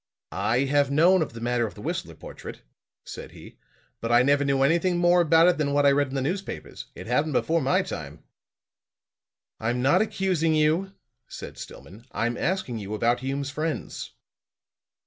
"I have known of the matter of the Whistler portrait," said he, "but I never knew anything more about it than what I read in the newspapers. It happened before my time." "I'm not accusing you," said Stillman. "I'm asking you about Hume's friends."